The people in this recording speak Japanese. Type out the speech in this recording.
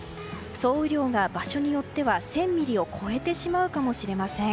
総雨量が場所によっては１０００ミリを超えてしまうかもしれません。